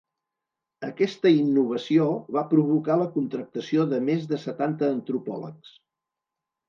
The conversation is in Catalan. Aquesta innovació va provocar la contractació de més de setanta antropòlegs.